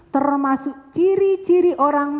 termasuk ciri ciri orang